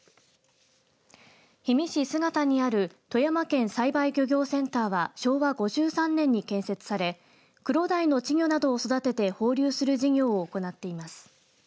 氷見市姿にある富山県栽培漁業センターは昭和５３年に建設されクロダイの稚魚などを育てて放流する事業を行っています。